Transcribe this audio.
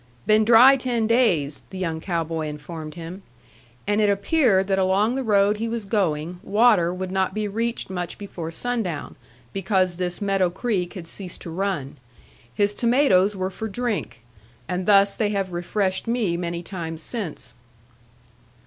"Been dry ten days," the young cow boy informed him. And it appeared that along the road he was going, water would not be reached much before sundown, because this Meadow Creek had ceased to run. His tomatoes were for drink. And thus they have refreshed me many times since.